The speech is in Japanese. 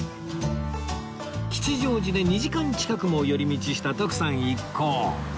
吉祥寺で２時間近くも寄り道した徳さん一行